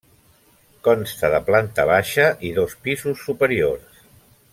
Consta de planta baixa i dos pisos superiors.